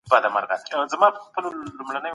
يو ماشوم شل سېبه لري.